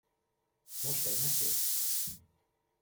Most egy mesét!